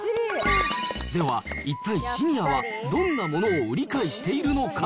では、一体、シニアはどんなものを売り買いしているのか。